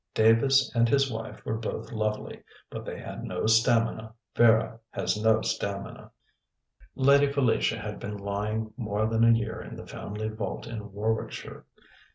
Davis and his wife were both lovely; but they had no stamina. Vera has no stamina." Lady Felicia had been lying more than a year in the family vault in Warwickshire.